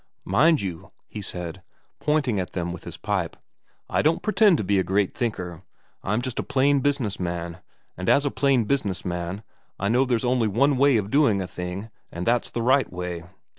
* Mind you,' he said, pointing at them with his pipe, * I don't pretend to be a great thinker. I'm just a plain business man, and as a plain business man I know there's only one way of doing a thing, and that's the right way.